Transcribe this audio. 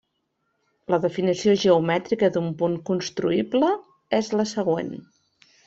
La definició geomètrica d'un punt construïble és la següent.